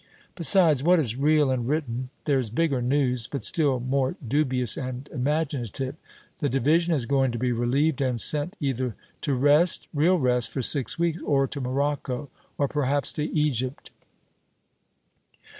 Besides what is real and written, there is bigger news, but still more dubious and imaginative the division is going to be relieved, and sent either to rest real rest, for six weeks or to Morocco, or perhaps to Egypt.